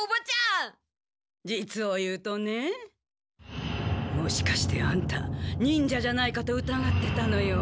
実を言うとねもしかしてアンタ忍者じゃないかとうたがってたのよ。